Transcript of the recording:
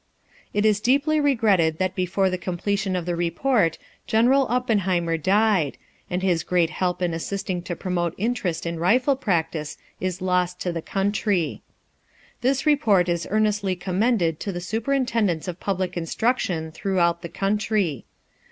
It is deeply regretted that before the completion of the report General Oppenheimer died, and his great help in assisting to promote interest in rifle practice is lost to the country. This report is earnestly commended to the superintendents of public instruction throughout the country.